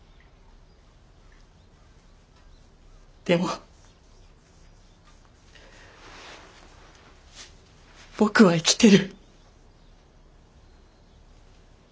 でも僕は生きてる。